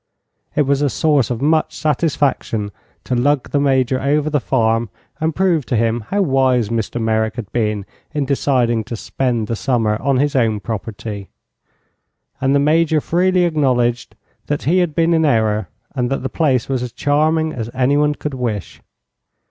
It was a source of much satisfaction to lug the Major over the farm and prove to him how wise Mr. Merrick had been in deciding to spend the summer on his own property; and the Major freely acknowledged that he had been in error and the place was as charming as anyone could wish.